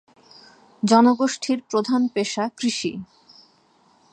জনগোষ্ঠীর প্রধান পেশা কৃষি।